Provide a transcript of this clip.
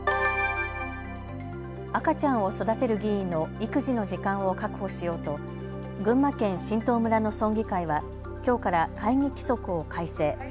赤ちゃんを育てる議員の育児の時間を確保しようと群馬県榛東村の村議会はきょうから会議規則を改正。